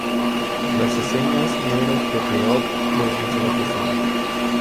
Las aceñas no eran propiedad de una sola persona.